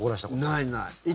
ない、ない。